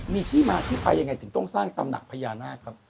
มีที่มาที่ไปยังไงถึงต้องสร้างตำหนักพญานาคครับ